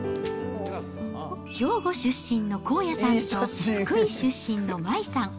兵庫出身のこうやさんと、福井出身の麻衣さん。